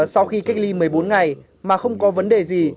sau khi cách ly một mươi bốn ngày mà không có vấn đề gì